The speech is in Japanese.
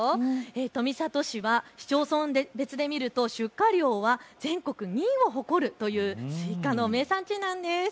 富里市は市町村別で見ると出荷量は全国２位を誇るというスイカの名産地なんです。